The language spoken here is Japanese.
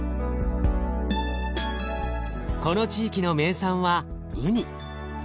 この地域の名産はうに。